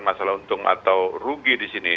masalah untung atau rugi di sini